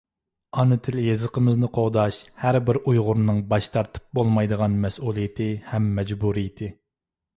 ئانا تىل-يېزىقىمىزنى قوغداش — ھەربىر ئۇيغۇرنىڭ باش تارتىپ بولمايدىغان مەسئۇلىيىتى ھەم مەجبۇرىيىتى.